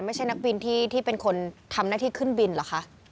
ไม่ใช่นักบินที่เป็นคนทำหน้าที่ขึ้นบินเหรอคะ